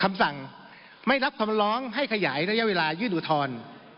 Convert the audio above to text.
คำสั่งไม่รับคำร้องให้ขยายระยะเวลายื่นอุทธรณ์